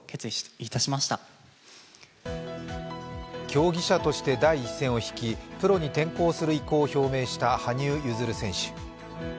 競技者として第一線を退きプロ転向する意向を表明した羽生結弦選手。